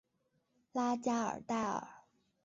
拉加尔代尔。